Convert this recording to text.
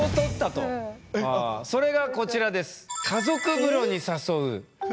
それがこちらです。